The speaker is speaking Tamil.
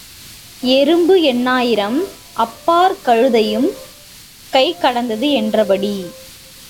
எறும்பு எண்ணாயிரம், அப்பாற் கழுதையும் கை கடந்தது என்றபடி.